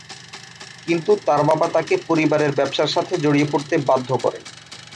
কিন্তু তার বাবা তাকে পরিবারের ব্যবসার সাথে জড়িয়ে পড়তে বাধ্য করে।